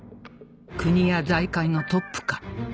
国や財界のトップか？